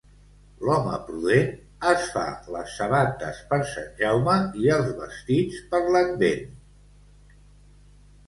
L'home prudent es fa les sabates per Sant Jaume i els vestits per l'Advent.